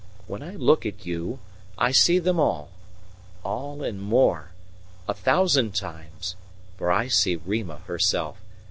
When I look at you I see them all all and more, a thousand times, for I see Rima herself.